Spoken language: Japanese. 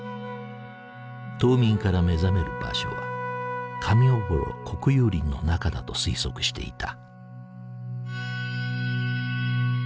冬眠から目覚める場所は上尾幌国有林の中だと推測していた。